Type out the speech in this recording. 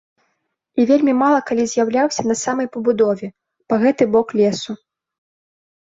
І вельмі мала калі з'яўляўся на самай пабудове, па гэты бок лесу.